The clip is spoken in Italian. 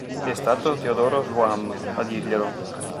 È stato Teodoro Swan a dirglielo?